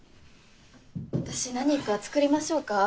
私何か作りましょうか？